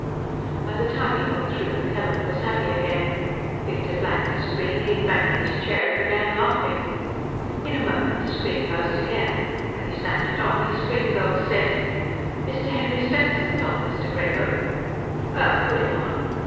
By the time he got through, Kellogg was happy again. Victor blanked the screen, leaned back in his chair and began laughing. In a moment, the screen buzzed again. When he snapped it on, his screen girl said: "Mr. Henry Stenson's on, Mr. Grego." "Well, put him on."